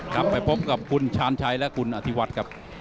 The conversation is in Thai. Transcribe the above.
ครับไปพบกับคุณชาญชัยและคุณอธิวัฒน์ครับ